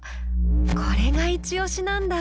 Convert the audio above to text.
これが一推しなんだ。